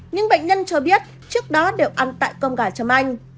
nhưng bệnh nhân cho biết trước đó đều ăn tại cơm gà trâm anh